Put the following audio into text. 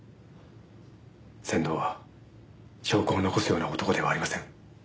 仙堂は証拠を残すような男ではありません。